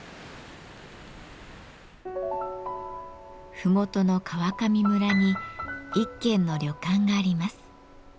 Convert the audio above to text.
ふもとの川上村に一軒の旅館があります。